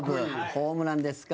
ホームランですか？